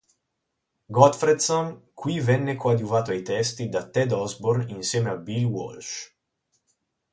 Gottfredson qui venne coadiuvato ai testi da Ted Osborne insieme a Bill Walsh.